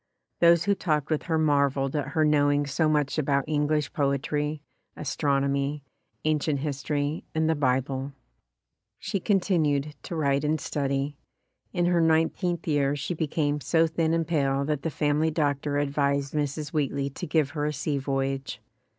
Those who talked with her marveled at her knowing so much about English poetry, astronomy, ancient history and the Bible, She continued to write and study. In her nine teenth year she became so thin and pale that the family doctor advised Mrs. Wheatley to give her a sea voyage.